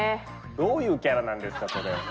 どういうキャラなんですかそれ？